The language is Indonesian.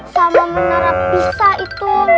sama menara pisa itu